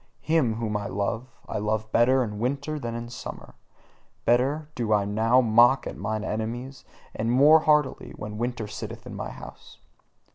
Him whom I love, I love better in winter than in summer; better do I now mock at mine enemies, and more heartily, when winter sitteth in my house.